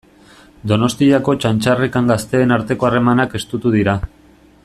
Donostiako Txantxarrekan gazteen arteko harremanak estutu dira.